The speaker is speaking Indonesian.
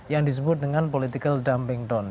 yang disebut dengan political dumping down